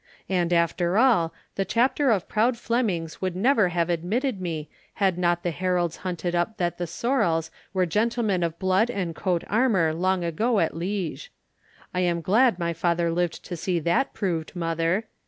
And after all, the Chapter of proud Flemings would never have admitted me had not the heralds hunted up that the Sorels were gentlemen of blood and coat armour long ago at Liège. I am glad my father lived to see that proved, mother.